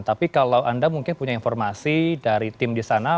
tapi kalau anda mungkin punya informasi dari tim di sana